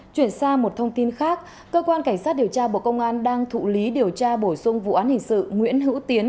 chuyển sang một thông tin khác cơ quan cảnh sát điều tra bộ công an đang thụ lý điều tra bổ sung vụ án hình sự nguyễn hữu tiến